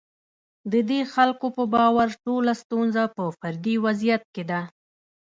د دې خلکو په باور ټوله ستونزه په فردي وضعیت کې ده.